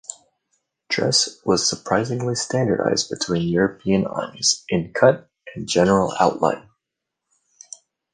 Dress was surprisingly standardised between European armies in cut and general outline.